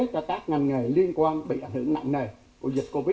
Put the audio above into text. cho các ngành nghề liên quan bị ảnh hưởng nặng nề